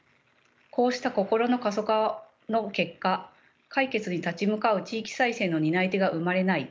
こうした心の過疎化の結果解決に立ち向かう地域再生の担い手が生まれない。